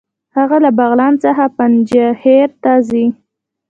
هغه له بغلان څخه پنجهیر ته ځي.